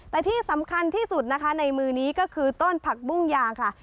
แต่ที่สำคัญที่สุดนะคะในมือนี้ก็คือต้นผักบุ้งยางค่ะ